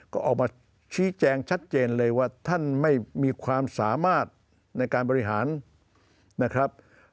ก็ออกมาชี้แจงชัดเจนเลยว่าท่านไม่มีความสามารถในการบริหารนะครับ